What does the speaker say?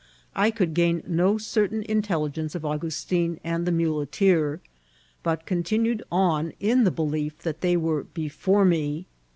I could gain no certain intelligence of Augustin and the muleteer, but contin* oed on in the belief that they were before me.